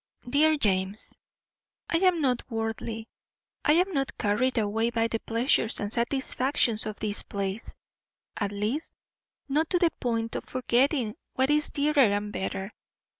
DEAR JAMES: I am not worldly; I am not carried away by the pleasures and satisfactions of this place, at least not to the point of forgetting what is dearer and better.